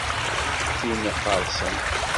Tin iqqerṣen.